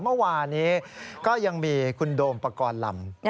เมื่อวานี้ก็ยังมีคุณโดมปกรณ์ลำ